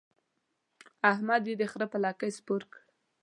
احمد يې د خره پر لکۍ سپور کړ.